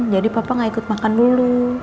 jadi papa gak ikut makan dulu